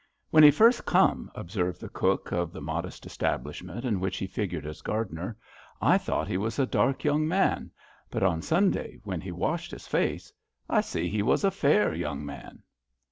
" When he first come," observed the cook of the modest establishment in which he figured as gardener, *^ I thought he was a dark young man, but on Sunday, when he washed his face, I see he was a fair young man."